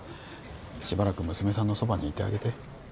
しばらく娘さんのそばにいてあげて。